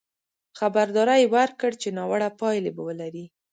خبرداری یې ورکړ چې ناوړه پایلې به ولري.